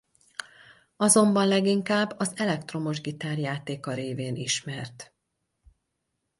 Azonban leginkább az elektromosgitár-játéka révén ismert.